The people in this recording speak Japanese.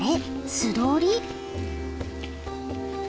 素通り？